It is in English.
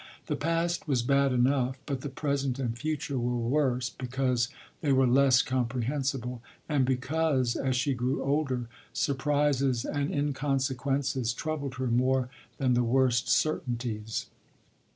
The past was bad enough, but the present and future were worse, because they were less comprehensible, and because, as she grew older, surprises and inconsequences troubled her more than the worst certainties.